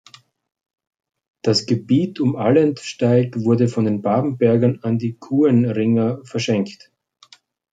Das Gebiet um Allentsteig wurde von den Babenbergern an die Kuenringer verschenkt.